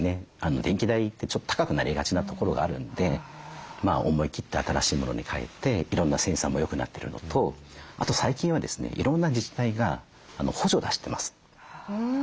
電気代ってちょっと高くなりがちなところがあるんで思いきって新しい物に替えていろんなセンサーもよくなってるのとあと最近はですねいろんな自治体が補助を出してます。